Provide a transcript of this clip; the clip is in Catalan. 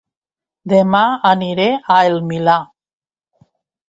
Dema aniré a El Milà